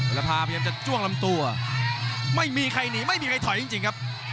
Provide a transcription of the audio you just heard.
ละพาพยายามจะจ้วงลำตัวไม่มีใครหนีไม่มีใครถอยจริงครับ